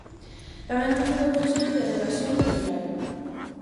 Tamén é membro do consello de redacción de Grial.